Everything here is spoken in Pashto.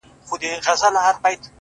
اچيل یې ژاړي؛ مړ یې پېزوان دی؛